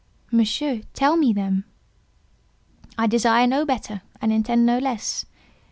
'" "Monsieur, tell me them." "I desire no better, and intend no less.